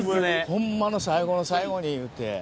ホンマの最後の最後にいうて。